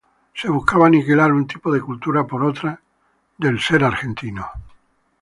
Se buscaba aniquilar un tipo de cultura por otra del ser argentino.